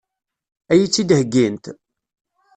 Ad iyi-tt-id-heggint?